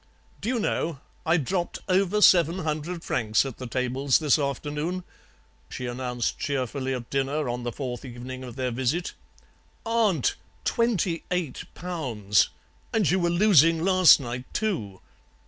"'Do you know, I dropped over seven hundred francs at the tables this afternoon,' she announced cheerfully at dinner on the fourth evening of their visit. "'Aunt! Twenty eight pounds! And you were losing last night too.'